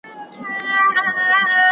زه به سبا لوبي کوم،